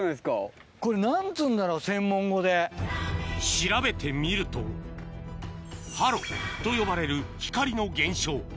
調べてみるとハロと呼ばれる光の現象